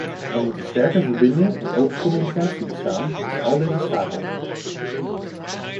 Er moet een sterke verbinding en open communicatie bestaan tussen al deze schakels.